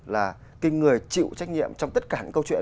là cái người chịu trách nhiệm trong tất cả những câu chuyện